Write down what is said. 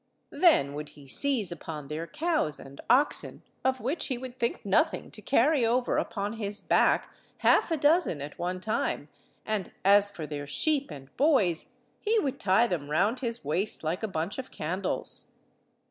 Then would he seize upon their cows and oxen, of which he would think nothing to carry over upon his back half a dozen at one time; and as for their sheep and boys, he would tie them round his waist like a bunch of candles.